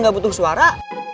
gak butuh suara